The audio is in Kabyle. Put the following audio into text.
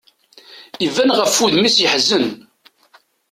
Iban ɣef wudem-is yeḥzen.